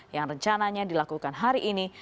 yang rencananya dilakukan hari ini